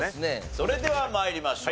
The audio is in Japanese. それでは参りましょう。